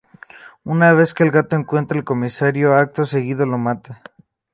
Una vez que el Gato encuentra al comisario acto seguido lo mata.